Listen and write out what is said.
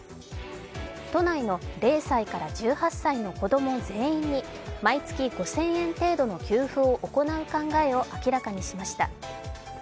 都内の０歳から１８歳の子供全員に毎月５０００円程度の給付を行う考えを明らかにしました。